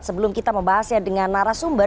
sebelum kita membahasnya dengan narasumber